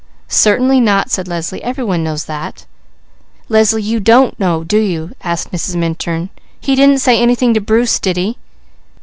"Certainly not," said Leslie. "Every one knows that." "Leslie, you don't know, do you?" asked Mrs. Minturn. "He didn't say anything to Bruce, did he?"